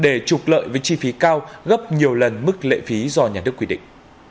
để trục lợi với chi phí cao gấp nhiều lần mức lệ phí do nhà nước quy định